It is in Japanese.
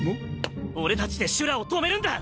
俺たちでシュラを止めるんだ！